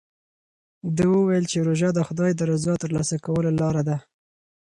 ده وویل چې روژه د خدای د رضا ترلاسه کولو لاره ده.